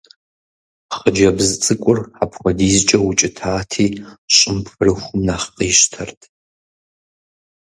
Хъыджэбз цӀыкӀур апхуэдизкӀэ укӀытати, щӀым пхырыхум нэхъ къищтэрт.